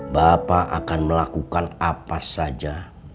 bapak akan melakukan apa saja